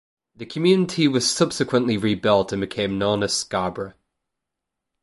The community was subsequently rebuilt and became known as Scarborough.